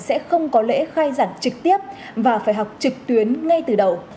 sẽ không có lễ khai giảng trực tiếp và phải học trực tuyến ngay từ đầu